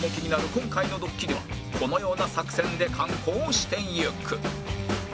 今回のドッキリはこのような作戦で敢行していく